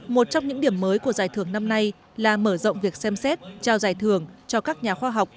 một trong những điểm mới của giải thưởng năm nay là mở rộng việc xem xét trao giải thưởng cho các nhà khoa học